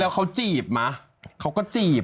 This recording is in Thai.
แล้วเขาจีบไหมเขาก็จีบ